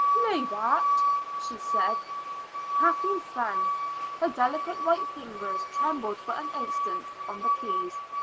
"Play that," she said. Kathleen frowned. Her delicate white fingers trembled for an instant on the keys.